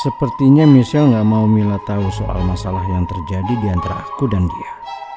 sepertinya michelle gak mau mila tau soal masalah yang terjadi diantara aku dan dia